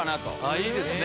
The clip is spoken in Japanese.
いいですね。